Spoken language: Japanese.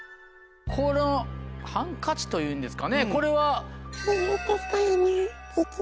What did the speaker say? このハンカチというんですかねこれは？